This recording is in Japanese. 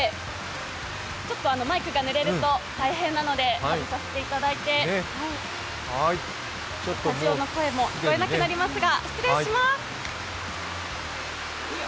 マイクがぬれると大変なので外させていただいて、スタジオの声も聞こえなくなりますが、失礼します。